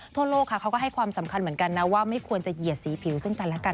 ทั่วโลกค่ะเขาก็ให้ความสำคัญเหมือนกันนะว่าไม่ควรจะเหยียดสีผิวซึ่งกันแล้วกัน